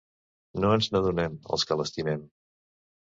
No ens n'adonem, els que l'estimem...